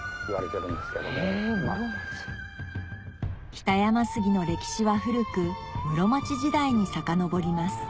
北山杉の歴史は古く室町時代にさかのぼります